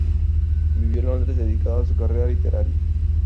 Vivió en Londres dedicado a su carrera literaria.